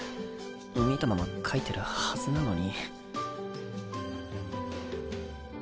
見たまま描いてるはずなのに。